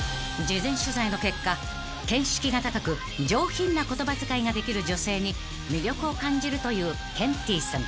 ［事前取材の結果見識が高く上品な言葉遣いができる女性に魅力を感じるというケンティーさん］